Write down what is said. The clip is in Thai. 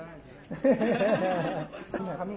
แล้วก็จะเรียง